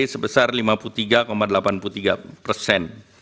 sebesar lima puluh tiga delapan puluh tiga persen